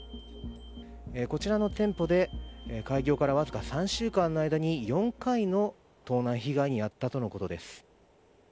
こちらの店舗で開業からわずか３週間の間に４回の盗難被害に遭ったとのことです。